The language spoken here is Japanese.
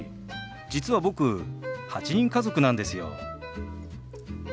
実は僕８人家族なんですよ。